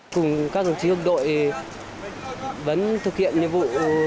cùng các giảng trí hợp đội vẫn thực hiện nhiệm vụ